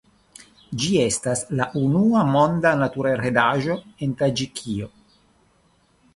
Ĝi estas la unua Monda Naturheredaĵo en Taĝikio.